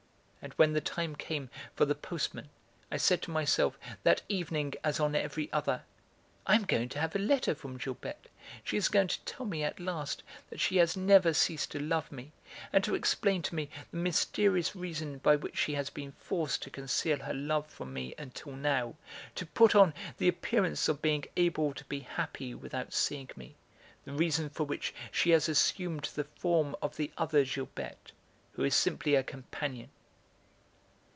And when the time came for the postman I said to myself, that evening as on every other: "I am going to have a letter from Gilberte, she is going to tell me, at last, that she has never ceased to love me, and to explain to me the mysterious reason by which she has been forced to conceal her love from me until now, to put on the appearance of being able to be happy without seeing me; the reason for which she has assumed the form of the other Gilberte, who is simply a companion."